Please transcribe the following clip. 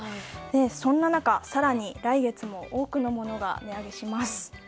そんな中、更に来月も多くのものが値上げします。